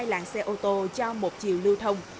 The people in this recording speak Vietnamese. hai làng xe ô tô cho một chiều lưu thông